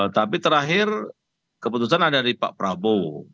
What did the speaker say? tapi terakhir keputusan ada dari pak prabowo